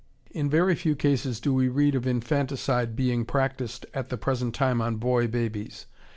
In very few cases do we read of infanticide being practiced at the present time on boy babies.